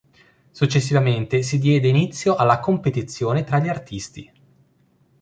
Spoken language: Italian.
Successivamente si diede inizio alla competizione tra gli artisti.